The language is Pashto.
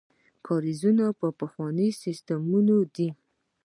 کاریزونه پخواني سیستمونه دي.